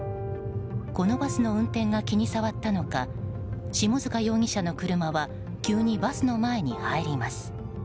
このバスの運転が気に障ったのか下塚容疑者の車は急にバスの前に入ります。